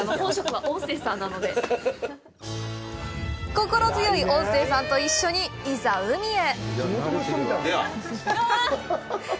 心強い音声さんと一緒に、いざ海へ。